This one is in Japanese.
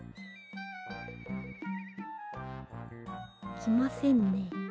きませんね。